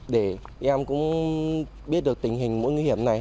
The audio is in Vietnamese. để em cũng biết được tình hình mối nguy hiểm này